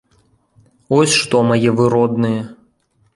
Ось што, мае вы родныя.